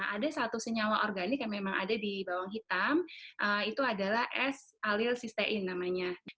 ada satu senyawa organik yang memang ada di bawang hitam itu adalah es alil sistein namanya